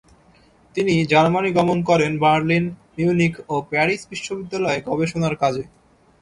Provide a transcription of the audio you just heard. তিনি জার্মানি গমন করেন বার্লিন, মিউনিখ ও প্যারিস বিশ্ববিদ্যালয়ে গবেষণার কাজে।